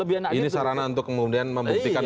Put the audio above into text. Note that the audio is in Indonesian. ini sarana untuk kemudian membuktikan